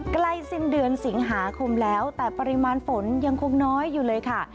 ใกล้สิ้นเดือนสิงหาคมแล้วแต่ปริมาณฝนยังคงน้อยอยู่เลยค่ะ